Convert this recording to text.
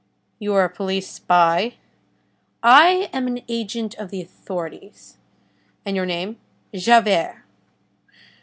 "You are a police spy?" "I am an agent of the authorities." "And your name?" "Javert."